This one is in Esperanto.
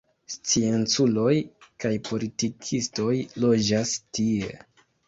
Scienculoj kaj politikistoj loĝas tie.